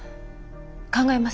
考えます。